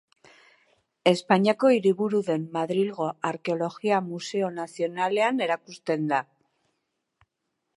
Espainiako hiriburu den Madrilgo Arkeologia Museo Nazionalean erakusten da.